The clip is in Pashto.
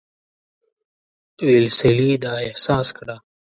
ویلسلي دا احساس کړه.